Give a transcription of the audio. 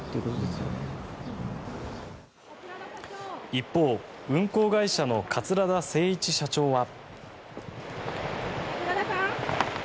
一方運航会社の桂田精一社長は。